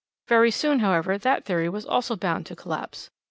"Very soon, however, that theory was also bound to collapse.